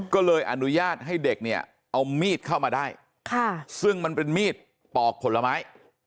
ก็เลยอนุญาตให้เด็กเนี่ยเอามีดเข้ามาได้ซึ่งมันเป็นมีดปอกผลไม้